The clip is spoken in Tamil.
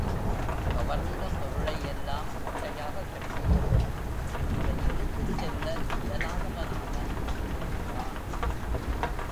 கவர்ந்த பொருளையெல்லாம் மூட்டையாகக் கட்டியபோது அதை எடுத்துச் செல்ல இயலாதவனாக நின்றிருக்கிறான்.